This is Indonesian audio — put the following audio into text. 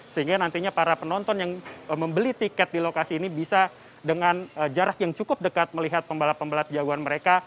sehingga nantinya para penonton yang membeli tiket di lokasi ini bisa dengan jarak yang cukup dekat melihat pembalap pembalap jagoan mereka